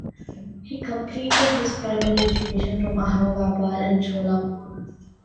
He completed his primary education from Ahmedabad and Sholapur.